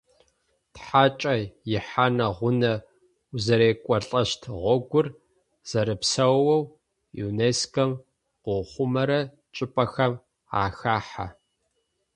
Тхьакӏэ ихьанэ-гъунэ узэрекӏолӏэщт гъогур зэрэпсаоу ЮНЕСКО-м къыухъумэрэ чӏыпӏэхэм ахахьэ.